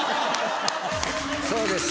そうです。